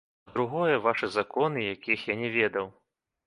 Па-другое, вашы законы, якіх я не ведаў.